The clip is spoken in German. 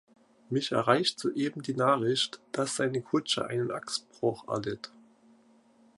Mich erreicht soeben die Nachricht, dass seine Kutsche einen Achsbruch erlitt.